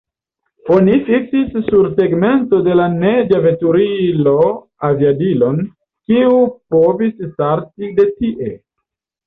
Oni fiksis sur tegmento de la neĝa veturilo aviadilon, kiu povis starti de tie.